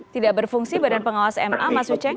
tidak berfungsi badan pengawas ma mas uceng